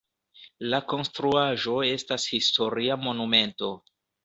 La konstruaĵo estas historia monumento.